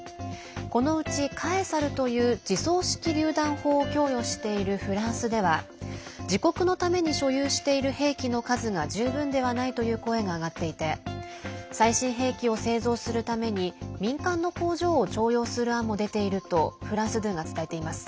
このうち「カエサル」という自走式りゅう弾砲を供与しているフランスでは自国のために所有している兵器の数が十分ではないという声が上がっていて最新兵器を製造するために民間の工場を徴用する案も出ているとフランス２が伝えています。